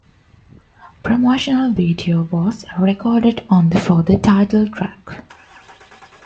Promotional video was recorded only for the title track.